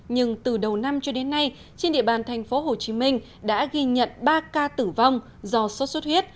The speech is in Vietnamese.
nhưng từ đầu năm cho đến nay trên địa bàn thành phố hồ chí minh đã ghi nhận ba ca tử vong do sốt xuất huyết